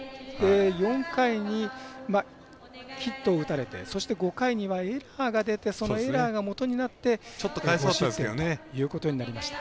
４回にヒットを打たれてそして、５回にはエラーが出てそのエラーがもとになって失点ということになりました。